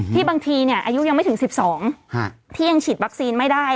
บางทีอายุยังไม่ถึง๑๒ที่ยังฉีดวัคซีนไม่ได้